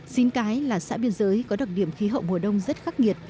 xín cái là xã biên giới có đặc điểm khí hậu mùa đông rất khắc nghiệt